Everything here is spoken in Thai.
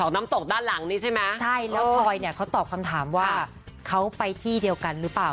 น้ำตกจะเป็นคนละที่กันเลยค่ะ